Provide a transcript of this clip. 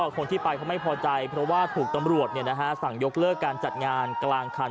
คนที่ไปเขาไม่พอใจเพราะว่าถูกตำรวจสั่งยกเลิกการจัดงานกลางคัน